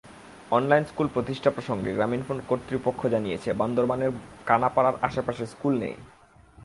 Online school প্রতিষ্ঠা প্রসঙ্গে গ্রামীণফোন কর্তৃপক্ষ জানিয়েছে, বান্দরবানের কানাপাড়ার আশপাশে স্কুল নেই।